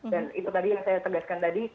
dan itu tadi yang saya tegaskan tadi